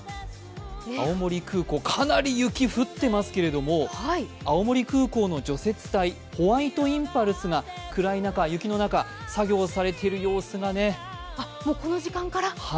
青森空港、かなり雪降っていますけれども青森空港の除雪隊ホワイトインパルスが暗い中、雪の中作業をされている様子がもうこの時間から。